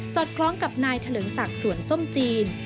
คล้องกับนายเถลิงศักดิ์สวนส้มจีน